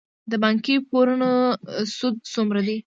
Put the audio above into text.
د بانکي پورونو سود څومره دی؟